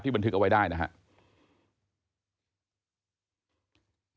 บันทึกเอาไว้ได้นะครับ